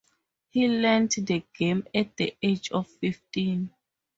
He learnt the game at the age of fifteen.